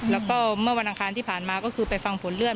แล้วก็เมื่อวันอังคารที่ผ่านมาก็คือไปฟังผลเลือด